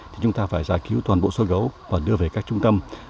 thì chúng ta phải giải cứu toàn bộ số gấu và đưa về các trung tâm